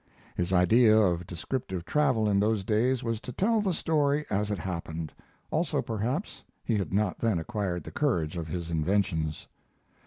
His idea of descriptive travel in those days was to tell the story as it happened; also, perhaps, he had not then acquired the courage of his inventions.